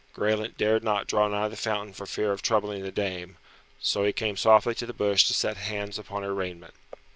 Graelent dared not draw nigh the fountain for fear of troubling the dame, so he came softly to the bush to set hands upon her raiment.